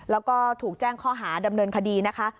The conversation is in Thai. แล้วก็ถูกแจ้งข้อหาดำเนินคดีนะคะ